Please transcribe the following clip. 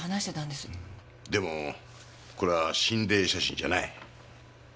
でもこれは心霊写真じゃない。